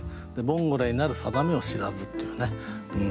「ボンゴレになる定めを知らず」っていうね。